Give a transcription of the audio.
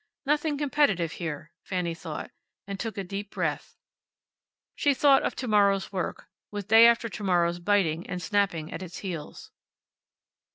Nothing competitive here, Fanny thought, and took a deep breath. She thought of to morrow's work, with day after to morrow's biting and snapping at its heels.